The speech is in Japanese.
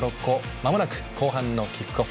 まもなく後半のキックオフ。